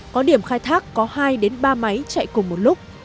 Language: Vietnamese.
có điểm khai thác có hai ba máy chạy cùng một lúc